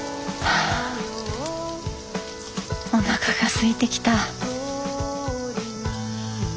あおなかがすいてきた。